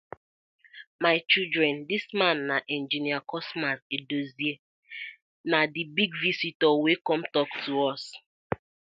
My children, dis man na Engineer Cosmas Edosie, na di big visitor wey com to tok to us.